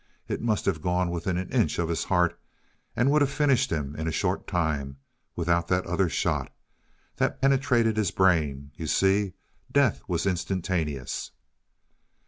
It must have gone within an inch of his heart, and would have finished him in a short time, without that other shot that penetrated his brain, you see; death was instantaneous."